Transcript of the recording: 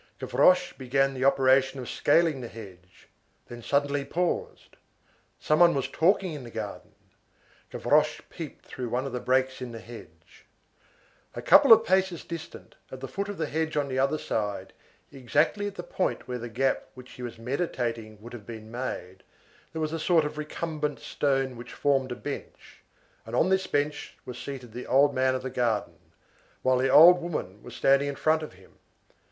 Gavroche began the operation of scaling the hedge, then suddenly paused. Some one was talking in the garden. Gavroche peeped through one of the breaks in the hedge. [Illustration: Succor from Below] A couple of paces distant, at the foot of the hedge on the other side, exactly at the point where the gap which he was meditating would have been made, there was a sort of recumbent stone which formed a bench, and on this bench was seated the old man of the garden, while the old woman was standing in front of him.